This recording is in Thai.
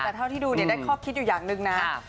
แต่เท่าที่ดูได้ข้อคิดอยู่อย่างหนึ่งนะ